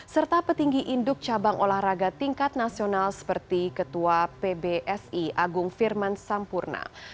serta petinggi induk cabang olahraga tingkat nasional seperti ketua pbsi agung firman sampurna